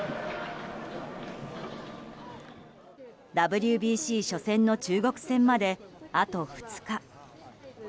ＷＢＣ初戦の中国戦まであと２日。